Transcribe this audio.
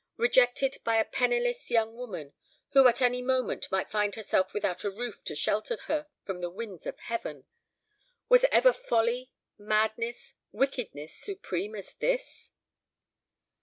Rejected by a penniless young woman, who at any moment might find herself without a roof to shelter her from the winds of heaven! Was ever folly, madness, wickedness supreme as this?